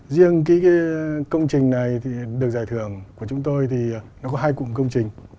riêng cái công trình này thì được giải thưởng của chúng tôi thì nó có hai cụm công trình